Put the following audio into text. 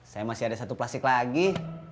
saya masih ada satu plastik lagi